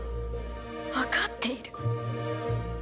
わかっている。